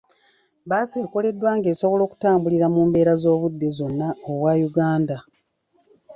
Bbaasi ekoleddwa ng'esobola okutambulira mu mbeera z'obudde zonna obwa Uganda.